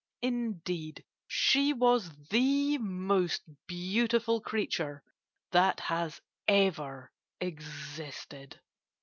Indeed, she was the most beautiful creature that has ever existed."